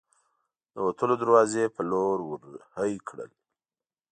د وتلو دروازې په لور ور هۍ کړل.